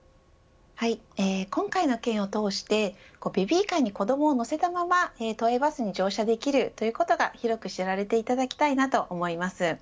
今回の件を通してベビーカーに子どもを乗せたまま都営バスに乗車できることが広く知られていただきたいなと思います。